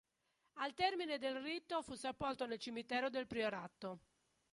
Al termine del rito fu sepolto nel cimitero del priorato.